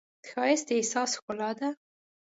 ښایست د احساس ښکلا ده